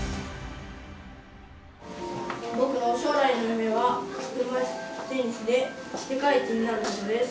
僕の将来の夢は、車いすテニスで世界一になることです。